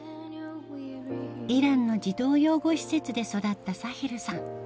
イランの児童養護施設で育ったサヘルさん